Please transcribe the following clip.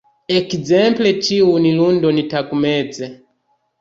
Ekzemple ĉiun lundon tagmeze.